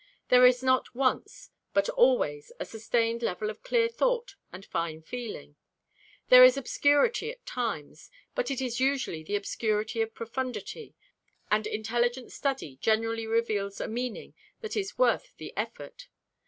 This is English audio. There is not once but always a "sustained level of clear thought and fine feeling." There is obscurity at times, but it is usually the obscurity of profundity, and intelligent study generally reveals a meaning that is worth the effort.